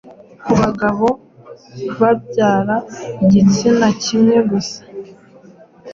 Ku bagabo babyara igitsina kimwe gusa